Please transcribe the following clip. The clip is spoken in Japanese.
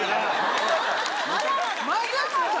まだまだ！